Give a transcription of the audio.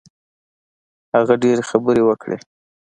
هغه ډېرې خبرې وکړې.